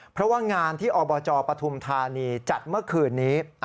เพราะว่างานที่อบจปฐุมธานีจัดเมื่อคืนนี้